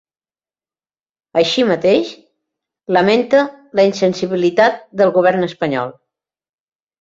Així mateix, lamenta la ‘insensibilitat’ del govern espanyol.